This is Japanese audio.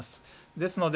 ですので、